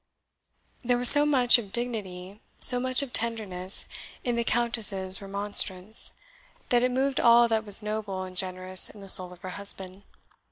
There was so much of dignity, so much of tenderness, in the Countess's remonstrance, that it moved all that was noble and generous in the soul of her husband.